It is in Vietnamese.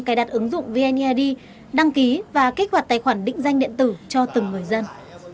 cài đặt ứng dụng vneid đăng ký và kích hoạt tài khoản định danh điện tử cho từng người dân